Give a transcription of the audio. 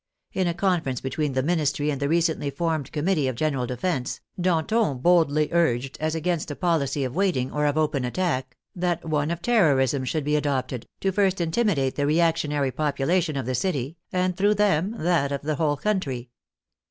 In a conference between the Ministry and the recently formed Commit tee of General Defense, Danton boldly urged, as against a policy of waiting or of open attack, that one of terror ism should be adopted, to first intimidate the reactionary population of the city, and through them that of the whole country.